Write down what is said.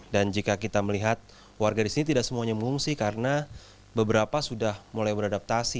dan jika kita melihat warga di sini tidak semuanya mengungsi karena beberapa sudah mulai beradaptasi